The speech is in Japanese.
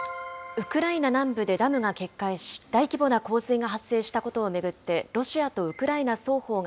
ウクライナ南部でダムが決壊し、大規模な洪水が発生したことを巡って、ロシアとウクライナ双方が